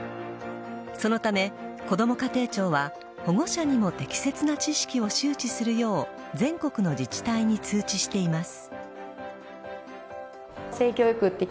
そのため、こども家庭庁は保護者にも適切な知識を周知するよう全国の自治体に通知しています。